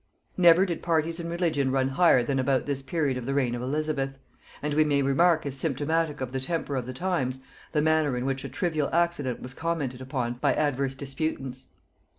Never did parties in religion run higher than about this period of the reign of Elizabeth; and we may remark as symptomatic of the temper of the times, the manner in which a trivial accident was commented upon by adverse disputants.